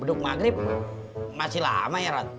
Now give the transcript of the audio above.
beduk maghrib masih lama ya rat